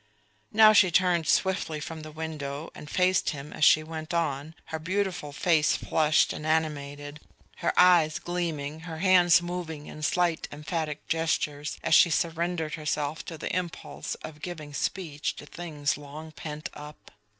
Now she turned swiftly from the window and faced him as she went on, her beautiful face flushed and animated, her eyes gleaming, her hands moving in slight emphatic gestures, as she surrendered herself to the impulse of giving speech to things long pent up.